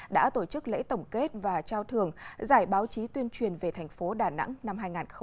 đã tổ chức lễ tổng kết và trao thưởng giải báo chí tuyên truyền về thành phố đà nẵng năm hai nghìn một mươi chín